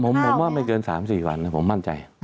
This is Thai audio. ผมว่าไม่เกิน๓๔วันผมมั่นใจ